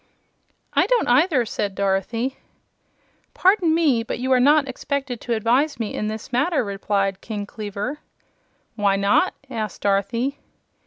"I don't, either," said Dorothy. "Pardon me, but you are not expected to advise me in this matter," replied King Kleaver. "Why not?" asked Dorothy.